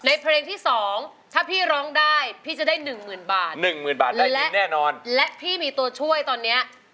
ในเพลงที่๒ถ้าพี่ร้องได้พี่จะได้๑๐๐๐๐บาทและพี่มีตัวช่วยตอนนี้